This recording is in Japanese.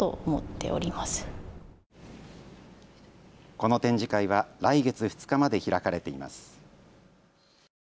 この展示会は来月２日まで開かれています。